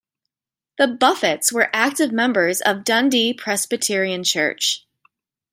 The Buffetts were active members of Dundee Presbyterian Church.